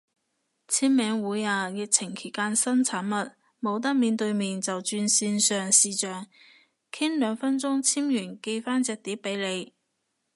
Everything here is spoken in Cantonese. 簽名會啊，疫情期間新產物，冇得面對面就轉線上視象，傾兩分鐘簽完寄返隻碟俾你